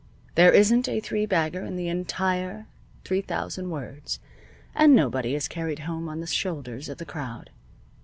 There isn't a three bagger in the entire three thousand words, and nobody is carried home on the shoulders of the crowd.